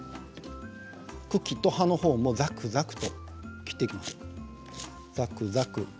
茎と葉っぱのほうもざくざく切っていきます。